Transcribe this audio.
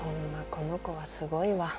この子はすごいわ。